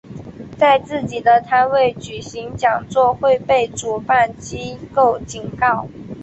在自己摊位举行讲座会被主办机构警告。